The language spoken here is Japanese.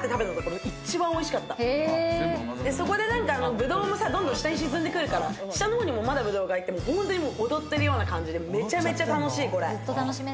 ぶどうもどんどん下に沈んで来るから、下のほうにもまだ、ぶどうがいて、本当に踊っているような感じでめちゃめちゃ楽しい、これ。